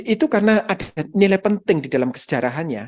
itu karena ada nilai penting di dalam kesejarahannya